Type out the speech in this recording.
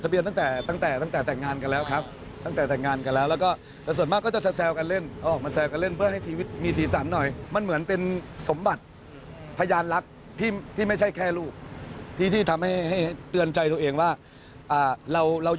ตลกนะแต่บทจริงจังกับครอบครัวนี่คือยกให้นัมเบอร์วันแล้วไปดูไอจีคุณเบลล์มา